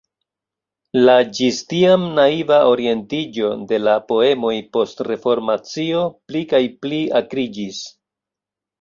La ĝis tiam naiva orientiĝo de la poemoj post Reformacio pli kaj pli akriĝis.